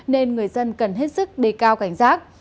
nên người dân cần hết sức đề cao cảnh giác